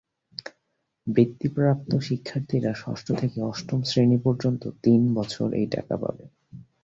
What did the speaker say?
বৃত্তিপ্রাপ্ত শিক্ষার্থীরা ষষ্ঠ থেকে অষ্টম শ্রেণি পর্যন্ত তিন বছর এই টাকা পাবে।